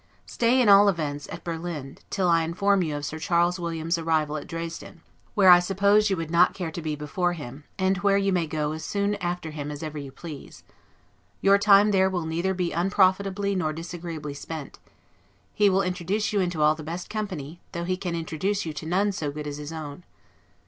Stay, in all events, at Berlin, till I inform you of Sir Charles Williams's arrival at Dresden; where I suppose you would not care to be before him, and where you may go as soon after him as ever you please. Your time there will neither be unprofitably nor disagreeably spent; he will introduce you into all the best company, though he can introduce you to none so good as his own.